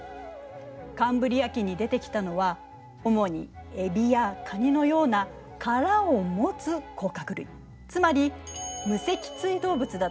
カンブリア紀に出てきたのは主にエビやカニのような殻を持つ甲殻類つまり無脊椎動物だったの。